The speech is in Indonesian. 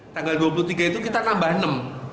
tanggal dua puluh tiga itu kita nambah enam